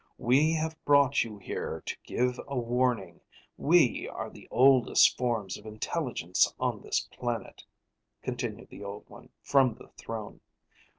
"We have brought you here to give a warning. We are the oldest forms of intelligence on this planet," continued the Old One from the throne.